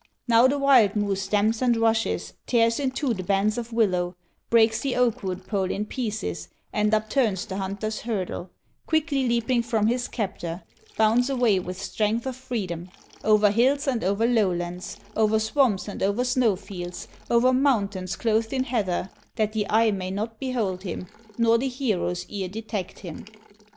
Now the wild moose stamps and rushes, Tears in two the bands of willow, Breaks the oak wood pole in pieces, And upturns the hunter's hurdle, Quickly leaping from his captor, Bounds away with strength of freedom, Over hills and over lowlands, Over swamps and over snow fields, Over mountains clothed in heather, That the eye may not behold him, Nor the hero's ear detect him.